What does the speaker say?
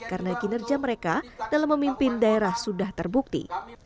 karena kinerja mereka dalam memimpin daerah sudah terbukti